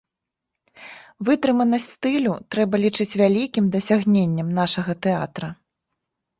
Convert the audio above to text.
Вытрыманасць стылю трэба лічыць вялікім дасягненнем нашага тэатра.